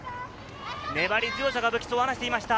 粘り強さが武器と話していました。